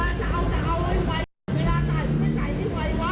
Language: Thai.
มีนังปะไหวมีนังปะไหวอ่า